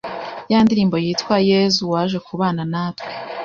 ya ndirimbo yitwa Yezu waje kubana natwe